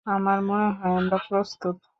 আমার মনে হয়, আমরা প্রস্তুত।